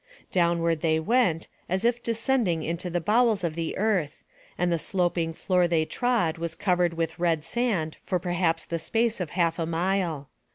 Downward they went, as if descending into the bow els of the earth, and the sloping floor they trod was 70 NARRATIVE OF CAPTIVITY covered with red sand for perhaps the space of half & mile.